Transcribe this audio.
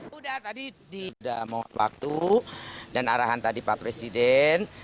sudah tadi tidak mau waktu dan arahan tadi pak presiden